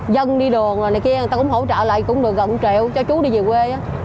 dân đi đường này kia người ta cũng hỗ trợ lại cũng được gần triệu cho chú đi về quê